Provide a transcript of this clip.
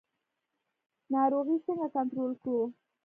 ناروغي څنګه کنټرول کړو؟